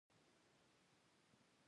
ژبه د ادب بڼه ده